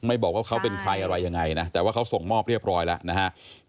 บอกว่าเขาเป็นใครอะไรยังไงนะแต่ว่าเขาส่งมอบเรียบร้อยแล้วนะฮะ